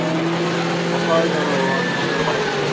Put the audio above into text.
মক্কার জনগণ কোনরূপ বাধার সৃষ্টি করেনি।